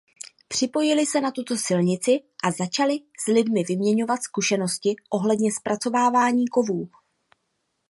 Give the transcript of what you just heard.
Připojili se na tuto silnici a začali s lidmi vyměňovat zkušenosti ohledně zpracovávání kovů.